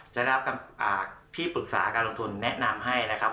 ได้รับที่ปรึกษาการลงทุนแนะนำให้นะครับ